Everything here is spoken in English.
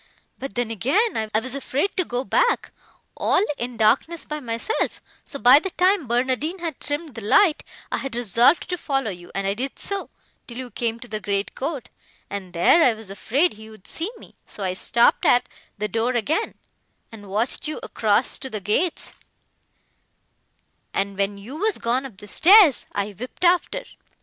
But then, again, I was afraid to go back, all in darkness, by myself; so by the time Barnardine had trimmed the light, I had resolved to follow you, and I did so, till you came to the great court, and there I was afraid he would see me; so I stopped at the door again, and watched you across to the gates, and, when you were gone up the stairs, I whipt after.